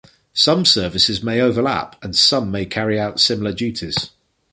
Some services may overlap and some may carry out similar duties.